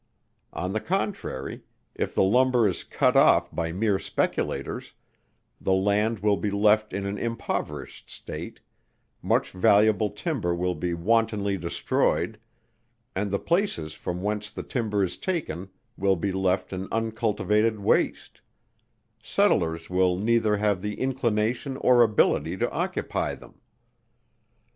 On the contrary, if the lumber is cut off by mere speculators, the land will be left in an impoverished state, much valuable timber will be wantonly destroyed, and the places from whence the timber is taken will be left an uncultivated waste; settlers will neither have the inclination or ability to occupy them.